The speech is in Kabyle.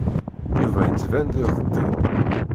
Yuba yettban d idetti.